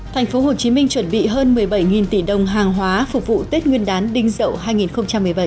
thành phố hồ chí minh chuẩn bị hơn một mươi bảy tỷ đồng hàng hóa phục vụ tết nguyên đán đinh dậu hai nghìn một mươi bảy